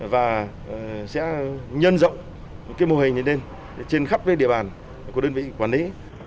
và sẽ nhân rộng cái mô hình này lên trên khắp địa bàn của đơn vị quản lý